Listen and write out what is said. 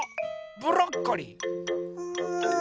ブロッコリー！ん？